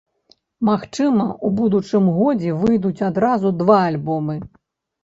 Магчыма, у будучым годзе выйдуць адразу два альбомы.